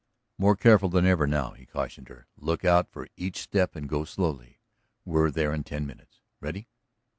"More careful than ever now," he cautioned her. "Look out for each step and go slowly. We're there in ten minutes. Ready?"